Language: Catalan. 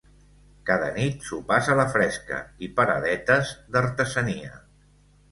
Cada nit sopars a la fresca i paradetes d’artesania.